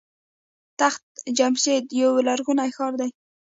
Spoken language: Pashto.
تخت جمشید یو لرغونی ښار دی.